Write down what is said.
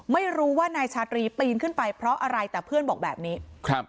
ไม่รู้ว่านายชาตรีปีนขึ้นไปเพราะอะไรแต่เพื่อนบอกแบบนี้ครับ